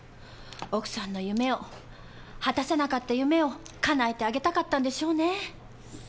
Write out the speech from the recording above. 奥さんの夢を果たせなかった夢を叶えてあげたかったんでしょうね。